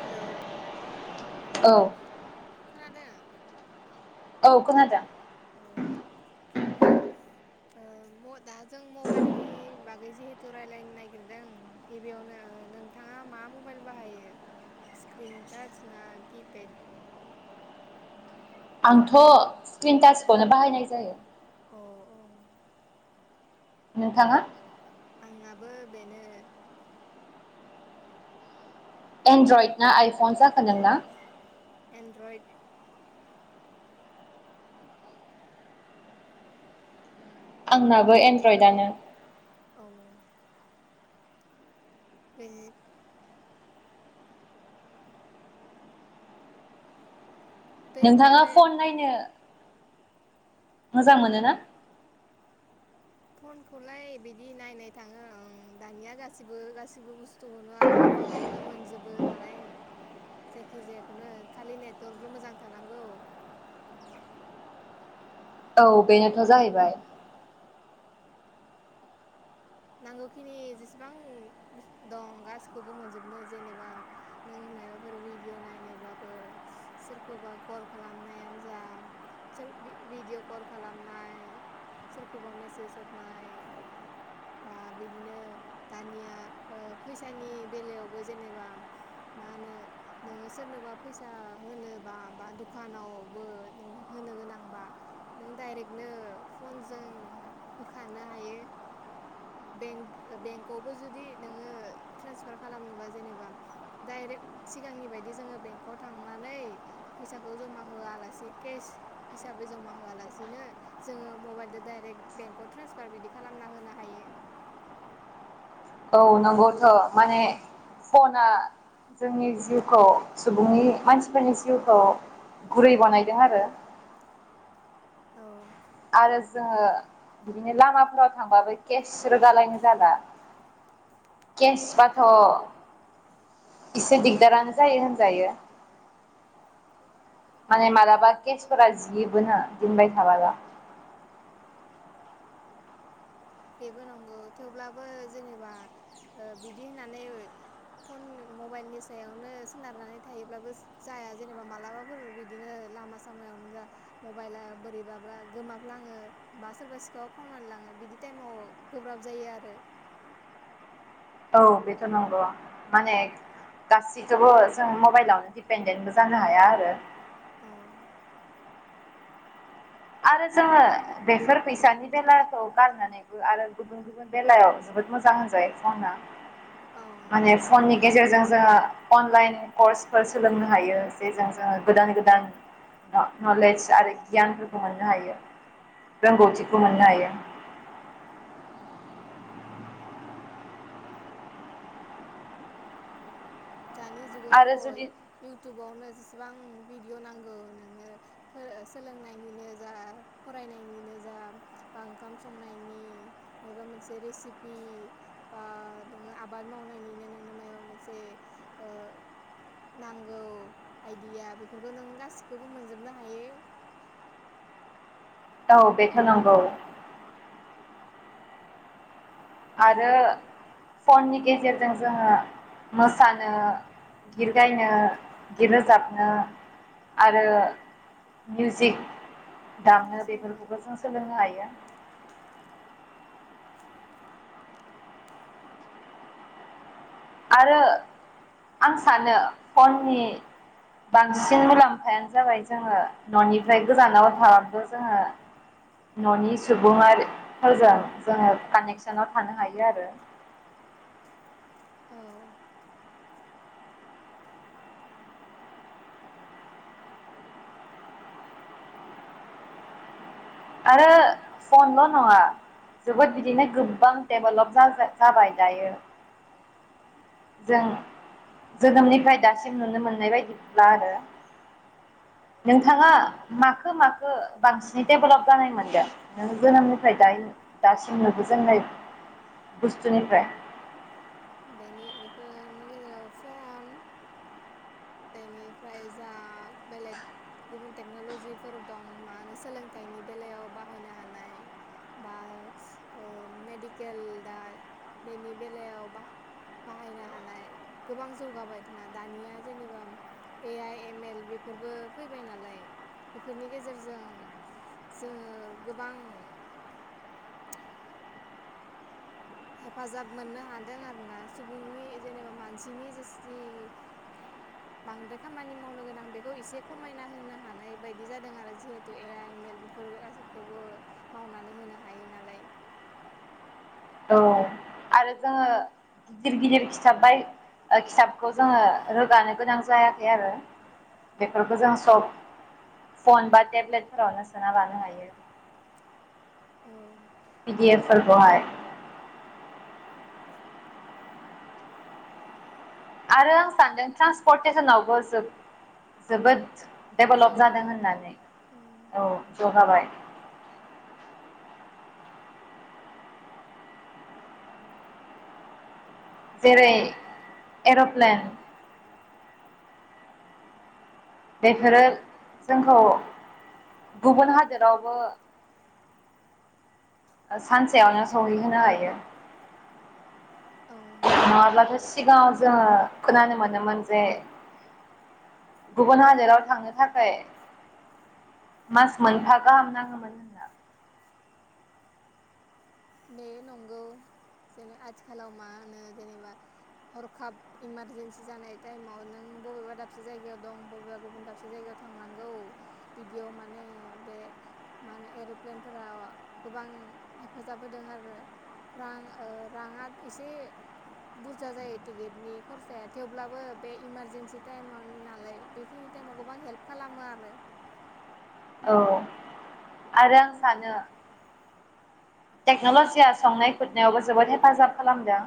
Hello. औ। खोनादों। औ खोनादों। दा जों मबाइलनि बागै जिहेथु राय्लायनो नागिरदों गिबियावनो नोंथाङा मा मबाइल बाहायो स्क्रिन टाच ना किपेड? आंथ स्क्रिन टासखौनो बाहायनाय जायो। नोंथाङा। आंनाबो बेनो। एन्ड्रइड ना आइफन जाखो नोंना? एन्ड्रइड। आंनाबो एनड्रयडानो। औ। बेनि नोंथाङा फन नायनो मोजां मोनो ना? फनखौलाय बिदि नायनाय थाङो ओं दानिया गासिबो गासिबो बुुस थुयावनो आरो फनाव नो मोनजोबो नालाय जायखि जायाखौनो खालि नेटवर्कल मोजां थानांगौ। औ बेनोथ जाहैबाय नांगौखिनि जेसेबां दं गासिखौबो मोनजोबनो जेनेबा नों माबाफोर भिडि नायनोबाबो सोरखौबा कल खालामनायानो जा भिडिअ कल खालामनाय सोरखौबा मेसेज हरनाय बा बिदिनो दानिया ओ फैसानि बेलायावबो जेनेबा मा होनो नोङो सोरनोबा फैसा होनोबा बा दखानावबो नों होनो गोनांबा नों डाइरेक्टनो फनजों होखानो हायो। बेंक बेंकआवबो जुदि नोङो ट्रेन्सफार खालामनोबा जेनेबा डाइरेक्ट सिगांनि बायदि जोङो बेंकआव थांनानै फैसाखौ जमा होआलासे केस हिसाबै जमा होआलासिनो जोङो मबाइलजों दडाइरेक्ट बेंकआव ट्रेन्सफार बिदि खालामना होनो हायो। औ नंगौथ माने फना जोंनि जिउखौ सुबुंनि मानसिफोरनि जिउखौ गुरै बानायदों आरो। औ आरो जोङो बिदिनो लामाफोराव थांबाबो केस रोगालायनो जाला केस बाथ एसे दिग्दारानो जायो होनजायो। माने मालाबा केसफोरा जियोबोनो दोनबाय थाबोला बेबो नंगौ थेवब्लाबो जेनेबा ओ बिदि होननानै फन मबाइलनि सायावनो सोनारनानै थायोब्लाबो जाया जेनेबा मालाबाफोर बिदिनो लामा सामायावनो जा मबाइला बोरैबाब्ला गोमाब्लाङो बा सोरबा सिखाव खावनानै लाङो बिदि टाइमाव गोब्राब जायो आरो औ बेथ नंगौ माने गासैखौबो जों मबाइलावनो डिपेनडेन्टबो जानो हाया आरो। आरो जोङो बेफोर फैसानि बेलाखौ गारनानैबो आरो गुबुन गुबुन बेलायाव जोबोद मोजां होनजायो फनआ माने फननि गेजेरजों जोङो अनलाइन कर्सफोर सोलोंनो हायो जेजों जोङो गोदान गोदान न नलेज आरो गियान मोननो हायो रोंगौथिखौ मोननो हायो दानि जुगावथ' इउटुबावनो जिस बेसेबां भिडिअ नांगौ नोंनो सोलोंनायनिनो जा फरायनायनिनो जा बा ओंखाम संनायनि मायबा मोनसे रेसिपि बा नोङो आबाद मावनायनिनो नोंनो मायबा मोनसे ओ नांगौ आइदिया बेफोरखौ नों गासिखौबो मोनजोबनो हायो औ बेथ' नंगौ आरो फननि गेजेरजों जोङो मोसानो गिर गायनो गिर रोजाबनो आरो मिउजिक दामनो बेफोरखौबो जों सोलोंनो हायो आरो आं सानो फननि बांसिन मुलाम्फायानो जाबाय जोङो न'निफ्राय गोजानाव थाबाबो जोङो ननि सुबङारिफोरजों जोङो कानेकसनाव थानो हायो आरो औ आरो फनल' नङा जोबोद बिदिनो गोबां डेबलप जाबाय दायो जों जोनोमनिफ्राय दासिम नुनो मोननाय बायदिब्ला आरो नोंथाङा माखो माखो बांसिनै डेबलप जानाय मोनदों नोंङो जोनोमनिफ्राय द दासिम नुबोजोनाय बुस्थुनिफ्राय बेनि बेफोरनि गेजेराव फन बेनिफ्राय जा बेलेग गुबुन टेक्नलजिफोर दं मा होनो सोलोंथाइनि बेलायाव बाहायनो हानाय बा ओ मेडिकेल दा बेनि बेलायाव बाह बाहायनो हानाय गोबां जौगाबाय दा दानिया जेनेबा ए आइ एम एल बेफोरबो फैबाय नालाय बेफोरनि गेजेरजों जोङो गोबां हेफाजाब मोननो हादों आरोना सुबुंनि जेनेबा मानसिनि जेसि बांद्राय खामानि मावनो गोनां बेखौ एसे खमायना होनो हानाय बायदि जादों आरो जिहेथु ए आइमेल बेफोर गासैखौबो मावनानै होनो हायो नालाय औ आरो जोङो गिदिर गिदिर खिथाब बाय ओ खिथाबखौ जोङो रोगानो गोनां जायाखै आरो बेफोरखौ जों सब फन बा टेब्लेटफोरावनो सोना लानो हायो औ पि दि एफ फोरखौहाय आरो आं सानदों ट्रान्सपर्टेसनावबो जोब जोबोद डेभलप जादों होननानै औ जौगाबाय जेरै एरप्लेन बेफोरो जोंखौ गुबुन हादोरावबो ओ सानसेयावनो सहैहोनो हायो माब्लाथो सि गाङाव जोङो खोनानो मोनोमोन जे गुबुन हादोराव थांनो थाखाय मास मोनफा गाहाम नाङोमोन होनना बे नंगौ जेने आथिखालाव मा होनो जेनेबा हरखाब इमारजेन्सि जानाय टाइमाव नों बबेबा दाबसे जायगायाव दं बबेबा गुबुन दाबसे जायगायाव थांनांगौ बिदियाव माने बे माहोनो एरप्लेनफोरा गोबां हेफाजा जाबोदों आरो रां ओ राङा एसे बुरजा जायो टिकेटनि खरसाया थेवब्लाबो बे इमारजेन्सि टाइमाव नालाय बेखिनि टाइमाव गोबां हेल्प खालामो आरो औ आरो आं सानो टेक्नलजिया संनाय खुरनायावबो जोबोद हेफाजाब खालामदों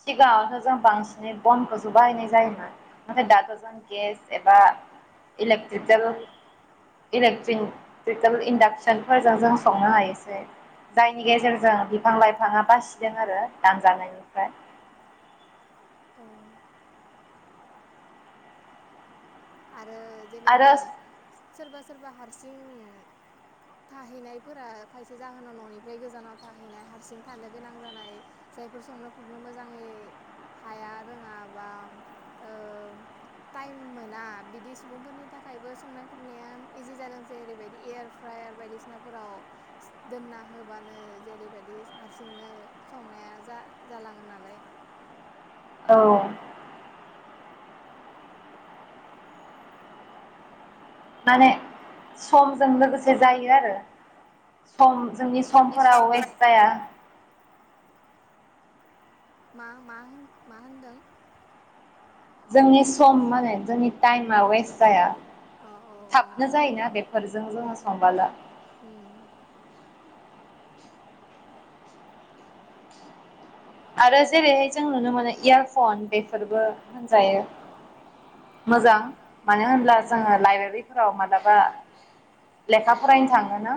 सिगाङावथ' जों बांसिनै बनखौसो बाहायनाय जायोमोन नाथाय दाथ' जों गेस एबा इलेक्ट्रिजों इलेक्ट्रिक ट्रिजों इन्डाक्सनफोरजों जों संनो हायोसै जाय नि गेजेरजों बिफां लाइफाङा बासिदों आरो दानजानायनिफ्राय ओ जेनेबा सोरबा सोरबा हारसिं थाहैनायफोरा खायसे जाहोनाव ननिफ्राय गोजानाव थाहैनाय हारसिं थानो गोनां जानाय जायफोर संनो खुरनो मोजाङै हाया रोङा बा ओ टाइम ओ मोना बिदि सुबुंफोरनि थाखायबो संनाय खुरनाया इजि जादों जे ओरैबायदि एयार फ्रायार बायदिसिनाफोराव दोनना होबानो जेरैबायदि हारसिंनो संनाया जा जालाङो नालाय औ माने समजों लोगोसे जायो आरो सम जोंनि समफोरा वेस्ट जाया मा-मा होन मा होनदों जोंनि सम माने जोंनि टाइमा वेस्ट जाया थाबनो जायोना बेफोरजों जोङो संबाला ओम आरो जेरैहाय जों नुनो मोनो इयारफन बेफोरबो होनजायो मोजां मानो होनब्ला जोङो लाइब्रेरिफोराव मालाबा लेखा फरायनो थाङोना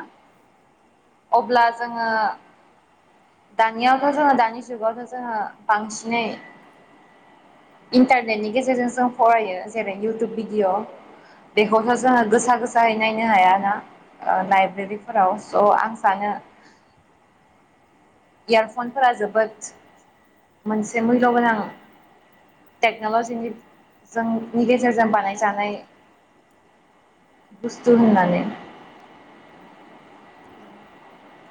अब्ला जोङो दानियावथ जोङो दानि जोङो बांसिनै इन्टारनेटनि गेजेरजों जों फरायो जेरै इउटुब भिडिअ बेखौथ' जोङो गोसा गोसायै नायनो हायाना ओ लाइब्रेरिफोराव स आं सानो इयारफनफोरा जोबोद मोनसे मुल्य गोनां टेक्नलजिनि जोंनि गेजेरजों बानायजानाय बुस्तु होननानै नंगौ।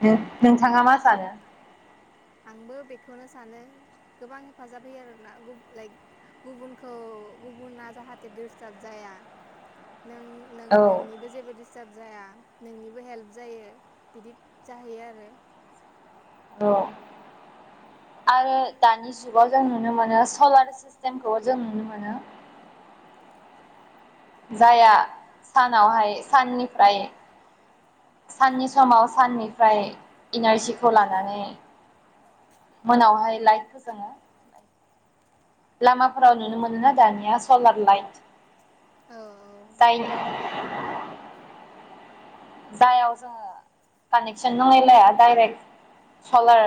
नों नोंथाङा मा सानो? आंबो बेखौनो सानो गोबां हेफाजाब होयो आरोना गुग लाइक गुबुनखौ गुबुना जाहाथे डिर्स्टाब जाया। नों-नों-नोंनिबो जेबो डिस्टार्ब जाया। नोंनिबो हेल्प जायो बिदि जाहैयो आरो। औ आरो दानि जुगाव जों नुनो मोनो सलार सिस्टेमखौ जों नुनो मोनो। जायया सानावहाय साननिफ्राय साननि समाव साननिफ्राय इनारजिखौ लानानै मोनावहाय लाइट फोजोङो। लामाफोराव नुनो मोनोना दानिया सलार लाइट। जाय जायाव जोङो कानेक्सन नङैलाया डाइरेक्ट सलार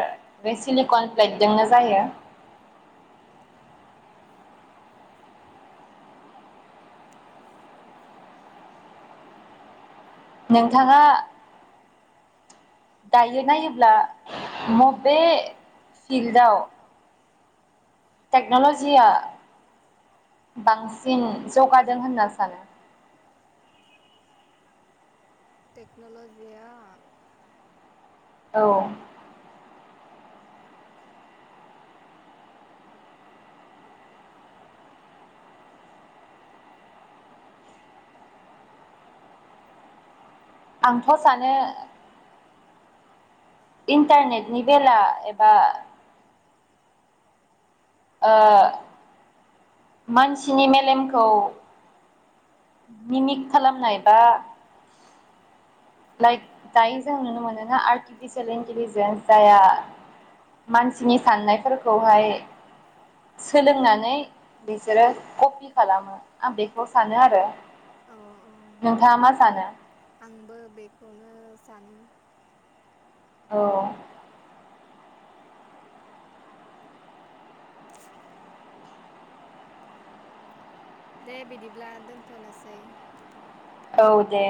बे सिलिकन प्लेटजोंनो जायो। नोंथाङा दायो नायोब्ला मबे फिल्डआव टेक्नलजिया बांसिन जौगादों होनना सानो टेक्नलजिया औ। आंथ' सानो इन्टारनेटनि बेला एबा ओ मानसिनि मेलेमखौ मिमिक खालामनाय बा लाइक दायो जों नुनो मोनोना आर्टिफिसियेल इन्टिलिजेन्स जायहा मानसिनि साननायफोरखौहाय सोलोंनानै बिसोरो कपि खालामो आं बेखौ सानो आरो नोंथाङा मा सानो? आंबो बेखौनो सानो। औ। दे बिदिब्ला दोनथ'नोसै। औ दे।